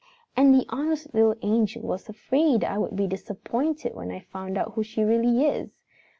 "And the honest little angel was afraid I would be disappointed when I found out who she really is.